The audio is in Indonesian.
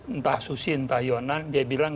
entah susi entah yonan dia bilang